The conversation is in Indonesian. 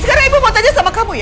sekarang ibu mau tanya sama kamu ya